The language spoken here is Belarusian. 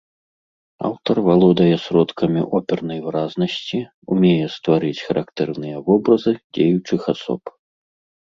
Аўтар валодае сродкамі опернай выразнасці, умее стварыць характэрныя вобразы дзеючых асоб.